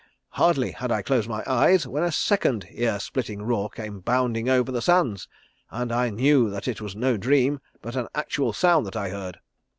Hardly had I closed my eyes when a second ear splitting roar came bounding over the sands, and I knew that it was no dream, but an actual sound that I heard.